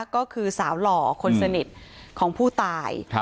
ก็คือสาวหล่อคนสนิทของผู้ตาย